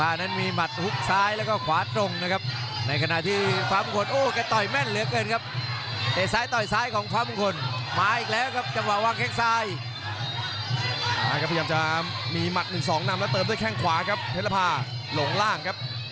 ฟันหมาดบัวที่อยู่ทางบ้านครับอย่าลุกไปไหนครับ